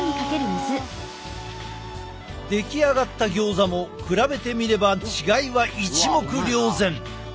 出来上がったギョーザも比べてみれば違いは一目瞭然。